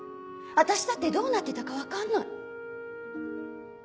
私だってどうなってたか分かんない。